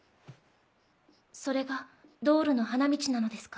それがドールの花道なのですか？